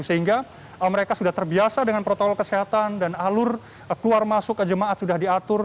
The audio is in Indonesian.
sehingga mereka sudah terbiasa dengan protokol kesehatan dan alur keluar masuk ke jemaat sudah diatur